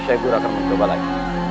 syekh guru akan mencoba raiku